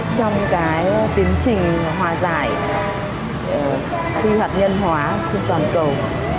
trong cái tiến trình hòa giải khuy hoạt nhân hóa trên toàn cầu